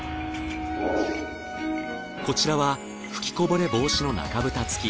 こちらは吹きこぼれ防止の中蓋付き。